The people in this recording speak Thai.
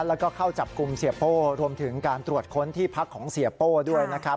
แล้วก็เข้าจับกลุ่มเสียโป้รวมถึงการตรวจค้นที่พักของเสียโป้ด้วยนะครับ